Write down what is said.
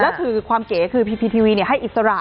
ก็คือความเก๋คือพีทีวีให้อิสระ